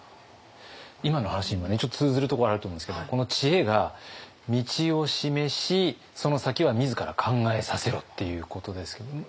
今の話にもねちょっと通ずるところあると思うんですけどこの知恵が「道を示しその先は自ら考えさせろ」っていうことですけど。